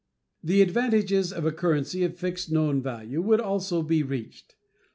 The advantages of a currency of a fixed known value would also be reached.